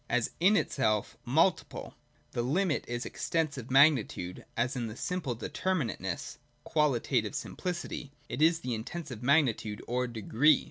As in itself multiple, the limit is Extensive magnitude ; as in itself simple deter minateness (qualitative simpHcity), it is Intensive mag nitude or Degree.